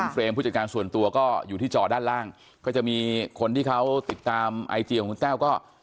เฟรมผู้จัดการส่วนตัวก็อยู่ที่จอด้านล่างก็จะมีคนที่เขาติดตามไอจีของคุณแต้วก็